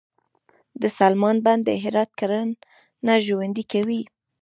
د سلما بند د هرات کرنه ژوندي کوي